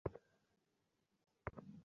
আমি চিঠি লিখে খবরটা জোগাড় করব।